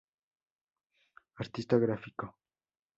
Artista gráfico.